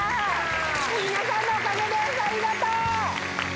皆さんのおかげですありがとう。